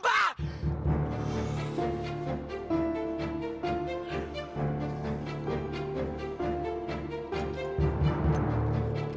pert tangan betul